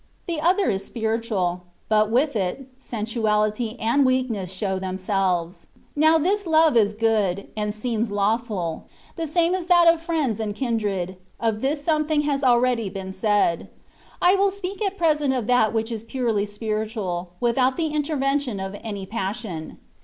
The other is spiritual : but with it, sensuality and weakness show themselves. Now this love is good, and seems lawful — the same as that of friends and Idndred ; of this something has already been said. I will speak at present of that which is purely spiritual, without the intervention of any passion.